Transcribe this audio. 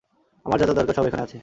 আমার যা যা দরকার সব এখানে আছে।